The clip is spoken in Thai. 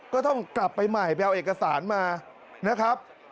ก็ต้องกลับไปใหม่ไปเอาเอกสารมานะครับ